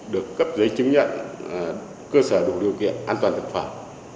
được cấp giấy chứng nhận cơ sở đủ điều kiện an toàn thực phẩm